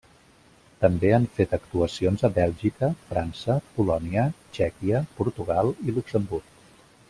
També han fet actuacions a Bèlgica, França, Polònia, Txèquia, Portugal i Luxemburg.